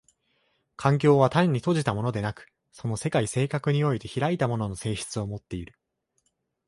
環境は単に閉じたものでなく、その世界性格において開いたものの性質をもっている。